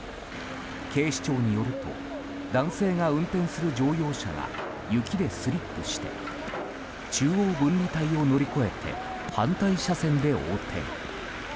警視庁によると男性が運転する乗用車が雪でスリップして中央分離帯を乗り越えて反対車線で横転。